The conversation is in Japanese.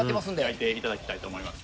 焼いていただきたいと思います。